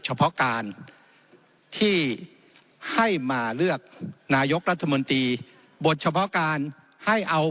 เฉพาะการที่ให้มาเลือกนายกรัฐมนตรีบทเฉพาะการให้เอา